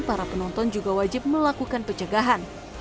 para penonton juga wajib melakukan pencegahan